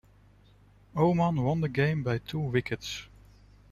Oman won the game by two wickets.